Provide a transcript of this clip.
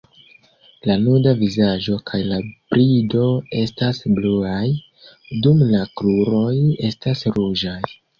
La nuda vizaĝo kaj la brido estas bluaj, dum la kruroj estas ruĝaj.